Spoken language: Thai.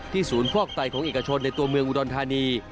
ศูนย์ฟอกไตของเอกชนในตัวเมืองอุดรธานี